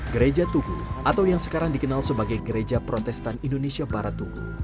gereja tugu atau yang sekarang dikenal sebagai gereja protestan indonesia barat tugu